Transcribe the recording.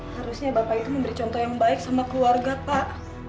harusnya bapak itu memberi contoh yang baik sama keluarga pak